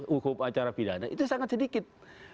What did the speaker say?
hukum acara pidana itu sangat sedikit